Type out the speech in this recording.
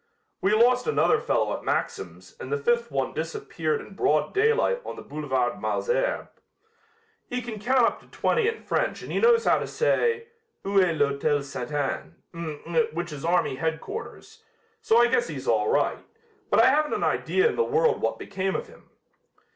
We lost another fellow at Maxim's and the fifth one disappeared in broad daylight on the Boulevard Malesherbes. He can count up to twenty in French and he knows how to say: 'Oú est l'hotel St. Anne?' which is army headquarters, so I guess he's all right, but I haven't an idea in the world what became of him."